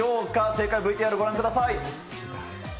正解ＶＴＲ、ご覧ください。